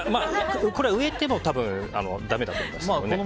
これは植えても多分だめだと思います。